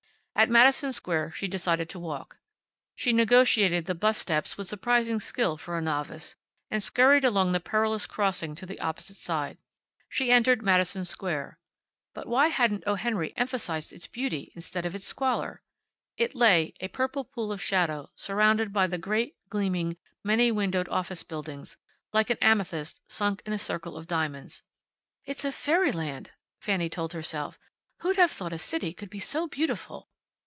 At Madison Square she decided to walk. She negotiated the 'bus steps with surprising skill for a novice, and scurried along the perilous crossing to the opposite side. She entered Madison Square. But why hadn't O. Henry emphasized its beauty, instead of its squalor? It lay, a purple pool of shadow, surrounded by the great, gleaming, many windowed office buildings, like an amethyst sunk in a circle of diamonds. "It's a fairyland!" Fanny told herself. "Who'd have thought a city could be so beautiful!"